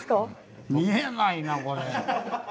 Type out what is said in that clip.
見えないなこれ。